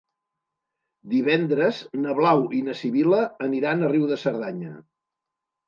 Divendres na Blau i na Sibil·la aniran a Riu de Cerdanya.